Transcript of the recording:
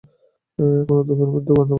এখনো ধূপের মৃদু গন্ধ আছে!